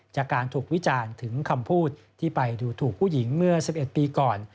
จากการถูกวิจารณ์ถึงคำพูดที่ไปดูถูกผู้หญิงเมื่อ๑๑ปีก่อน